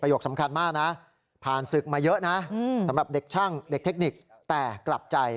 ผมก็ปรับรับความรับความรับมาลาวมือมาเถอะ